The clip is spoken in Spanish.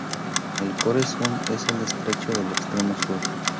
El Core Sound es el estrecho del extremo sur.